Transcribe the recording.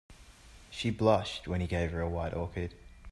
She blushed when he gave her a white orchid.